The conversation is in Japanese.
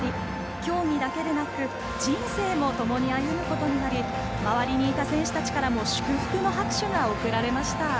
競技だけでなく人生も、ともに歩むことになり周りにいた選手たちからも祝福の拍手が送られました。